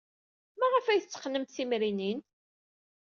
Maɣef ay tetteqqnemt timrinin?